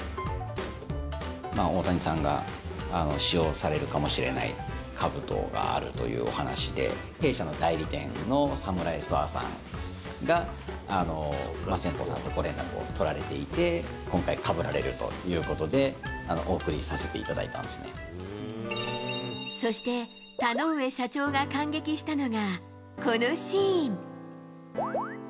大谷さんが使用されるかもしれないかぶとがあるというお話で、弊社の代理店のサムライストアさんが、先方さんとご連絡を取られていて、今回、かぶられるということで、お送りさせていただいたそして、田ノ上社長が感激したのがこのシーン。